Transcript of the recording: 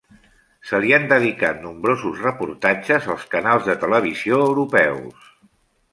Se li han dedicat nombrosos reportatges als canals de televisió europeus.